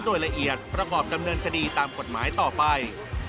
โดยละเอียดประกอบดำเนินคดีตามกฎหมายต่อไป